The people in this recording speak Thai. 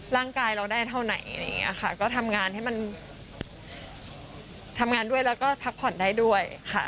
ร่างกายเราได้เท่าไหนอะไรอย่างนี้ค่ะก็ทำงานให้มันทำงานด้วยแล้วก็พักผ่อนได้ด้วยค่ะ